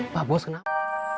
pak bos kenapa